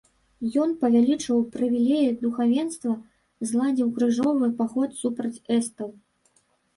Ён павялічыў прывілеі духавенства, зладзіў крыжовы паход супраць эстаў.